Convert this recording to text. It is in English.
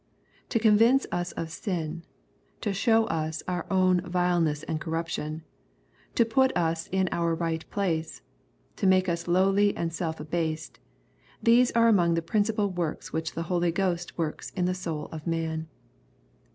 To convince us of sin, to show us our own vileness and corruption, to put us in our right place, to make us lowly and self abased, — these are among the principal works which the Holy Ghost works in the soul of man.